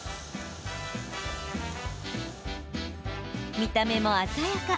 見た目も鮮やか。